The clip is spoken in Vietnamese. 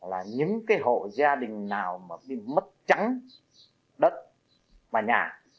là những cái hộ gia đình nào mà bị mất trắng đất và nhà